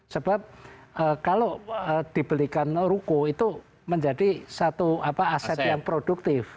sebab kalau dibelikan ruko itu menjadi satu aset yang produktif